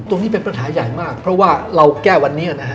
ตรงนี้เป็นปัญหาใหญ่มากเพราะว่าเราแก้วันนี้นะฮะ